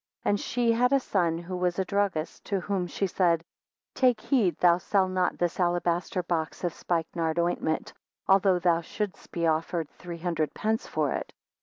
3 And she had a son who was a druggist, to whom she said, Take heed thou sell not this alabaster box of spikenard ointment, although thou shouldst be offered three hundred pence for it.